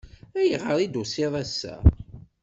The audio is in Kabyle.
Ayɣer i d-tusiḍ ass-a?